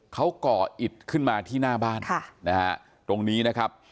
เขาก่ออิดขึ้นมาที่หน้าบ้านตรงนี้นะครับ